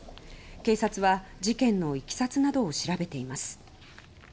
警察は事件のいきさつなどを調べています。